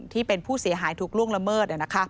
ที่เป็นผู้เสียหายถูกล่วงละเมิด